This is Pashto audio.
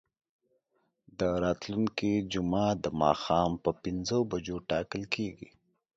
دا راتلونکې جمعه د ماښام په پنځو بجو ټاکل کیږي.